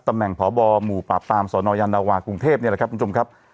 ตำแหน่งพบหมู่ปราบปรามสนยานวากรุงเทพนี่แหละครับคุณผู้ชมครับ